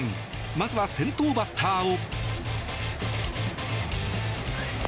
まずは、先頭バッターを。